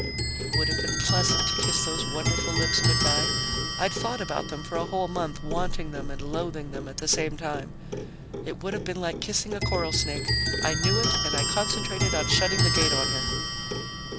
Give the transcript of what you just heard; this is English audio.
It would have been pleasant to kiss those wonderful lips good by. I'd thought about them for a whole month, wanting them and loathing them at the same time. It would have been like kissing a coral snake. I knew it and I concentrated on shutting the gate on her.